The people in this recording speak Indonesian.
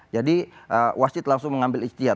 jadi wasit langsung mengambil istiadat